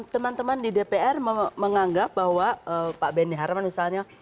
teman teman di dpr menganggap bahwa pak benny harman misalnya